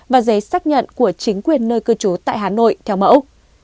và giấy xác nhận của chính quyền nơi cư trú tại hà nội theo mẫu